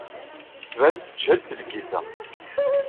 Tettban-d tejhed tleggit-a.